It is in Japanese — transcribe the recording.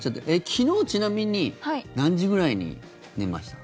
昨日ちなみに何時ぐらいに寝ました？